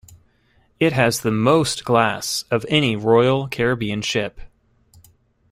It has the most glass of any Royal Caribbean ship.